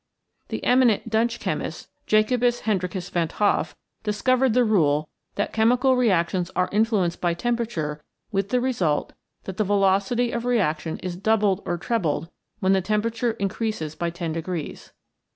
The eminent Dutch chemist Jacobus Hendricus Van 't Hoff discovered the rule that chemical reactions are influenced by temperature with the 68 REACTIONS IN LIVING MATTER result that the velocity of reaction is doubled or trebled when the temperature increases by 10 degrees.